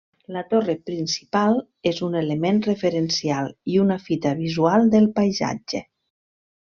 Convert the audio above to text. La torre principal és un element referencial i una fita visual del paisatge.